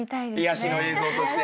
癒やしの映像としてね。